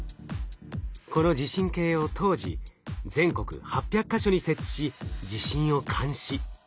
この地震計を当時全国８００か所に設置し地震を監視。